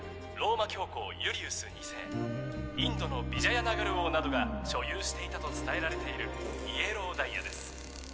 ローマ教皇ユリウス２世インドのヴィジャヤナガル王などが所有していたと伝えられているイエローダイヤです。